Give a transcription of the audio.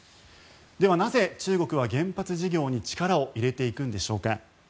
では、なぜ中国は原発事業に力を入れていくのでしょうか。